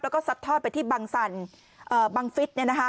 แล้วก็สัดทอดไปที่บังฟิศ